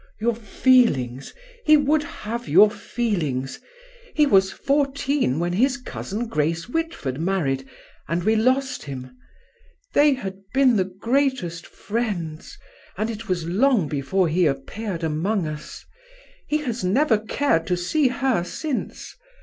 " Your feelings; he would have your feelings! He was fourteen when his cousin Grace Whitford married, and we lost him. They had been the greatest friends; and it was long before he appeared among us. He has never cared to see her since."